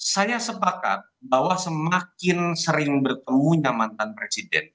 saya sepakat bahwa semakin sering bertemunya mantan presiden